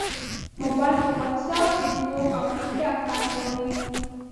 موبایل کې واټساپ، فېسبوک او ټېکټاک کار کوي.